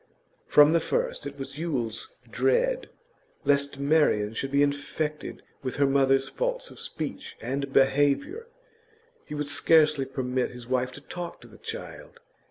From the first it was Yule's dread lest Marian should be infected with her mother's faults of speech and behaviour. He would scarcely permit his wife to talk to the child.